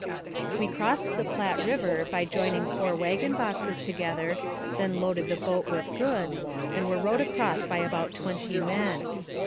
We crossed the Platte River by binding four wagon AMONG THE SIOUX INDIANS. 17 boxes together, then loaded the boat with goods, and were rowed across by about twenty men.